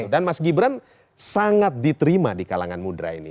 dan mas gibran sangat diterima di kalangan muda ini